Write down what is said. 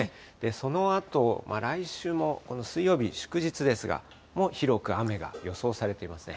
そのあと、来週もこの水曜日、祝日ですが、も、広く雨が予想されていますね。